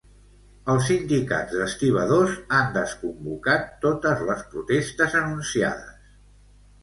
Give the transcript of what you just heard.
Els sindicats d'estibadors han desconvocat totes les protestes anunciades.